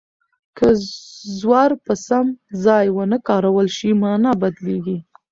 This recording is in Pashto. که زور په سم ځای ونه کارول شي مانا بدلیږي.